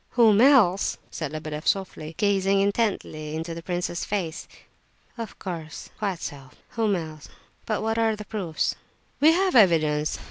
"Whom else?" said Lebedeff, softly, gazing intently into the prince s face. "Of course—quite so, whom else? But what are the proofs?" "We have evidence.